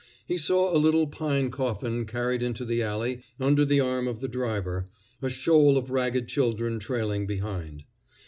He saw a little pine coffin carried into the alley under the arm of the driver, a shoal of ragged children trailing behind.